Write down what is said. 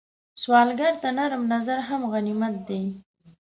سوالګر ته نرم نظر هم غنیمت دی